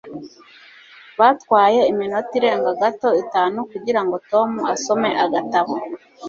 Byatwaye iminota irenga gato itanu kugirango Tom asome agatabo